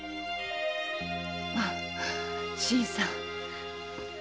あッ新さん。